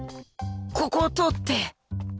ここを通って